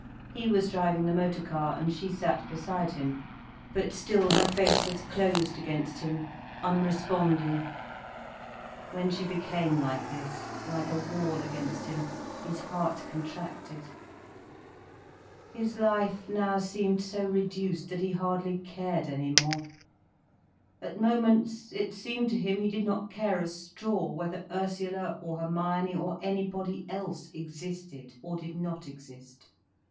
He was driving the motor car, and she sat beside him. But still her face was closed against him, unresponding. When she became like this, like a wall against him, his heart contracted. His life now seemed so reduced, that he hardly cared any more. At moments it seemed to him he did not care a straw whether Ursula or Hermione or anybody else existed or did not exist.